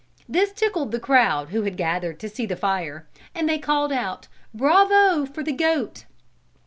This tickled the crowd who had gathered to see the fire, and they called out: "Bravo for the goat!"